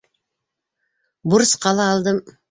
Бурысҡа ла алдым.